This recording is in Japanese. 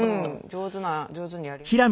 上手な上手にやりますよ。